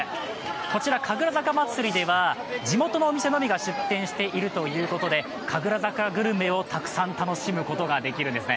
こちら神楽坂まつりでは、地元のお店のみが出店しているということで、神楽坂グルメをたくさん楽しむことができるんですね。